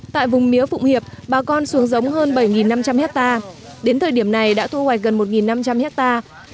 tại vùng mía phụng hiệp bà con xuống giống hơn bảy năm trăm linh hectare đến thời điểm này đã thu hoạch gần một năm trăm linh hectare